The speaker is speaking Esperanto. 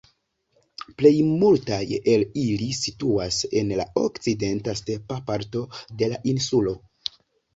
Plej multaj el ili situas en la okcidenta, stepa parto de la insulo.